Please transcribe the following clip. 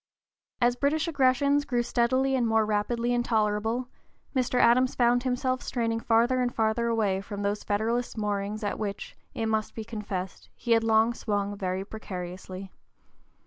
As British aggressions grew steadily and rapidly more intolerable, Mr. Adams found himself straining farther and farther away from those Federalist moorings at which, it must be confessed, he had long swung very precariously.